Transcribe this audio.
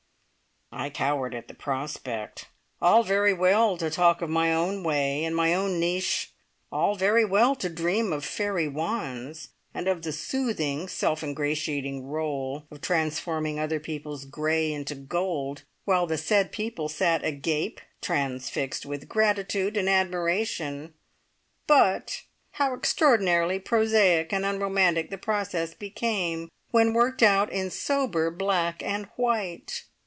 I cowered at the prospect. All very well to talk of my own way, and my own niche, all very well to dream of fairy wands, and of the soothing, self ingratiating role of transforming other people's grey into gold, while the said people sat agape, transfixed with gratitude and admiration, but how extraordinarily prosaic and unromantic the process became when worked out in sober black and white.